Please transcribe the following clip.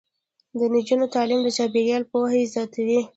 د نجونو تعلیم د چاپیریال پوهاوی زیاتوي.